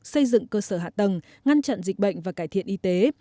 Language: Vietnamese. xây dựng cơ sở hạ tầng ngăn chặn dịch bệnh và cải thiện y tế